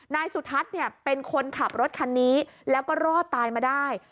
นายสุทัศน์เนี่ยเป็นคนขับรถคันนี้แล้วก็รอดตายมาได้